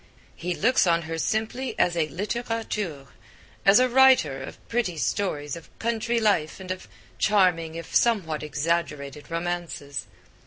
He looks on her simply as a litterateur, as a writer of pretty stories of country life and of charming, if somewhat exaggerated, romances.